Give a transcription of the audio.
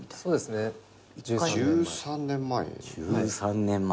１３年前。